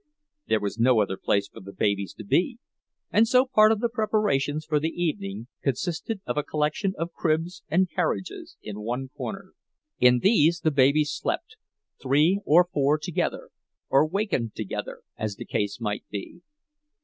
There was no other place for the babies to be, and so part of the preparations for the evening consisted of a collection of cribs and carriages in one corner. In these the babies slept, three or four together, or wakened together, as the case might be.